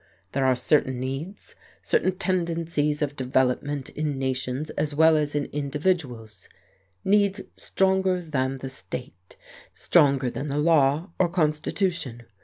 There are certain needs, certain tendencies of development in nations as well as in individuals, needs stronger than the state, stronger than the law or constitution.